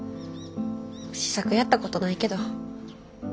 試作やったことないけど。